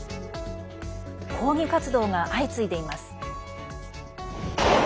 抗議活動が相次いでいます。